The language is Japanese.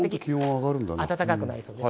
暖かくなりそうです。